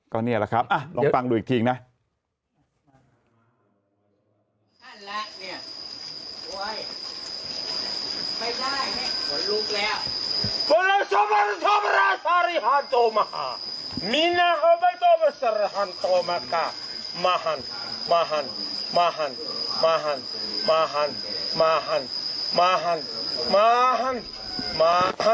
ก็นี่แหละครับลองฟังดูอีกทีนะ